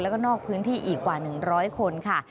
แล้วก็นอกพื้นที่อีกกว่า๑๐๐คนค่ะ